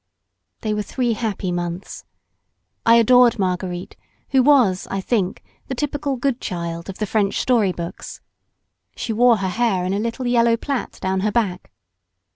They were three happy months. I adored Marguerite who was, I think, the typical good child of the French story books. She wore her hair in a little yellow plait down her back.